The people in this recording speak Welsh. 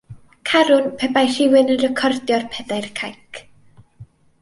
Carwn pe bai rhywun yn recordio'r Pedair Cainc.